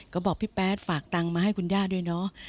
ก็บอกพี่แป๊ดฝากตังค์มาให้คุณย่าด้วยเนาะ